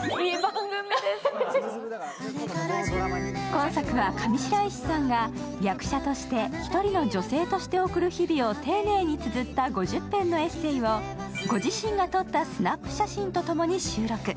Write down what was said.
今作は上白石さんが役者として、１人の女性として送る日々を丁寧につづった５０篇のエッセーをご自身が撮ったスナップ写真とともに収録。